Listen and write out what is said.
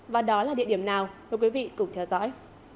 và đó là địa điểm nào mời quý vị cùng theo dõi